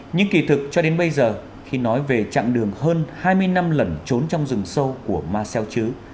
những kỳ thực cho đến bây giờ khi nói về chặng đường hơn hai mươi năm lần trốn trong rừng sâu của ma seo chứ